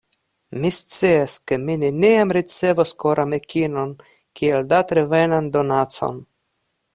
Mi scias ke mi neniam ricevos koramikon kiel datrevenan donacon.